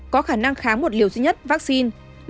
có khả năng kháng một liều duy nhất vaccine